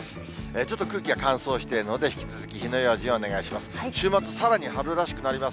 ちょっと空気が乾燥しているので、引き続き、火の用心をお願いします。